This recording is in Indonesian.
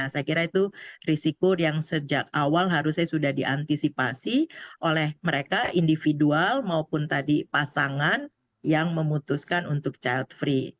saya kira itu risiko yang sejak awal harusnya sudah diantisipasi oleh mereka individual maupun tadi pasangan yang memutuskan untuk child free